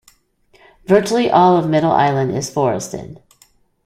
Virtually all of Middle Island is forested.